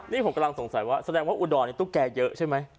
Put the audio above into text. นี่ผมกำลังสงสัยว่าแสดงว่าอุดรตุ๊กแกเยอะใช่ไหม